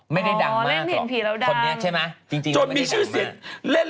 เล่นที่ดังไม่ได้ดังมากหรอกจนมีชื่อเสียงเล่นผีแล้วดัง